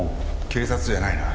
警察じゃないな。